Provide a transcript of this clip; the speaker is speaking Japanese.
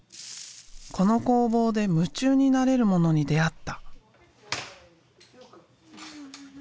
この工房で夢中になれるものに出会った。